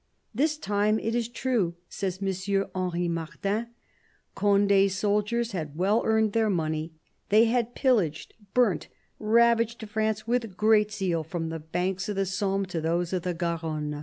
" This time, it is true," says M. Henri Martin, " Conde's soldiers had well earned their money : they had pillaged, burnt, ravaged France with great zeal, from the banks of the Somme to those of the Garonne."